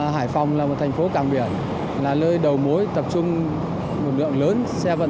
hải phòng là một thành phố càng biển là nơi đầu mối tập trung nguồn lượng lớn